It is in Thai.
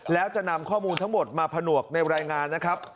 แล้วจะนำข้อมูลทั้งหมดมาผนวกในรายงานนะครับ